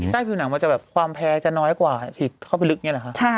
ผิวหนังมันจะแบบความแพ้จะน้อยกว่าฉีดเข้าไปลึกอย่างนี้หรอคะ